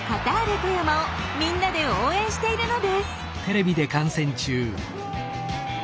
富山をみんなで応援しているのです。